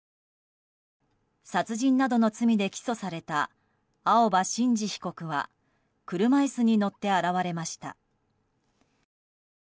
殺人などの罪で起訴された青葉真司被告は車椅子に乗って現れました。